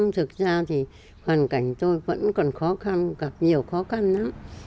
thực ra thì hoàn cảnh tôi vẫn còn khó khăn gặp nhiều khó khăn lắm